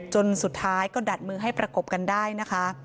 จนสุดท้ายก็ดัดมือให้ประกบกันได้นะคะ